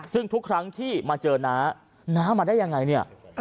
ซึ่งทุกครั้งที่มาเจอน้าน้ามาได้ยังไงเนี่ย